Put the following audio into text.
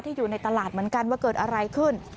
อยู่ในตลาดเหมือนกันว่าเกิดอะไรขึ้น